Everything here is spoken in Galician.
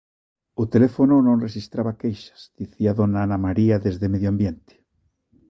O teléfono non rexistraba queixas, dicía dona Ana María desde Medio Ambiente.